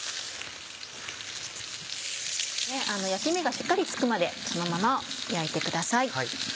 焼き目がしっかりつくまでそのまま焼いてください。